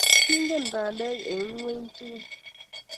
Kingen bandek eng ingweny tugul